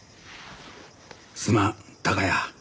すまん孝也。